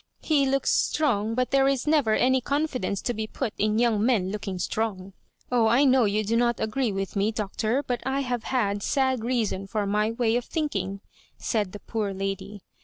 He looks strong, but there is never any confi dence to be put in young men looking strong. Oh, I know you do not agree with me, Doctor; but I have had sad reason for my way of think ing,"'said the poor lady.